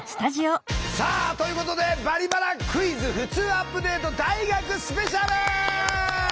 さあということで「バリバラクイズふつうアップデート」大学スペシャル！